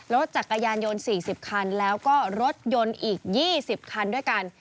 รถจักรยานยนต์๔๐คันแล้วก็รถยนต์อีก๒๐คันด้วยกัน